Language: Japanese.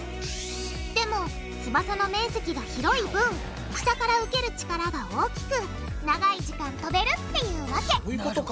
でも翼の面積が広い分下から受ける力が大きく長い時間飛べるっていうわけそういうことか！